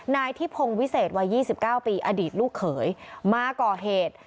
นายทิพงวิเศษวัย๒๙ปีอดีตลูกเขยมาก่อเหตุ